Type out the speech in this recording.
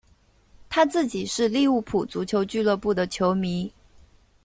他自己是利物浦足球俱乐部的球迷。